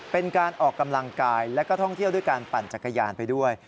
เป็นการออกกำลังกายและก็ท่องเที่ยวด้วยการปั่นจักรยานไปด้วย